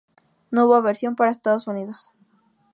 No hubo versión para Estados Unidos.